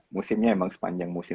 musimnya emang sepanjang musim